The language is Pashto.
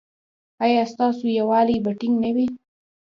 ایا ستاسو یووالي به ټینګ نه وي؟